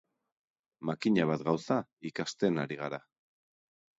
Makina bat gauza ikasten ari gara.